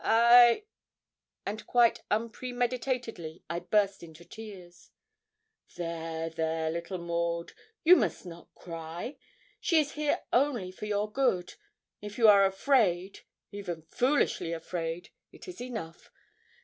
I ' and quite unpremeditatedly I burst into tears. 'There, there, little Maud, you must not cry. She is here only for your good. If you are afraid even foolishly afraid it is enough.